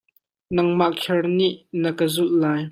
Nangmah kher nih na ka zulh lai.